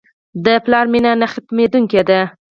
د پلار مینه نه ختمېدونکې ده.